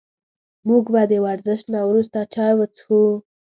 موږ به د ورزش نه وروسته چای وڅښو